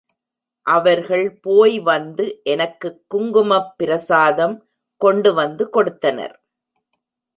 அவர்கள் போய்வந்து எனக்குக் குங்குமப் பிரசாதம் கொண்டு வந்து கொடுத்தனர்.